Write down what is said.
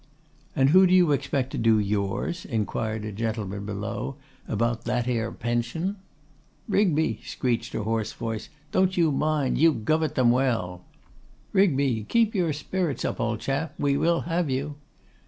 'And who do you expect to do yours?' inquired a gentleman below, 'about that 'ere pension?' 'Rigby,' screeched a hoarse voice, 'don't you mind; you guv it them well.' 'Rigby, keep up your spirits, old chap: we will have you.